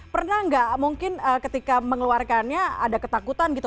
pernah nggak mungkin ketika mengeluarkannya ada ketakutan gitu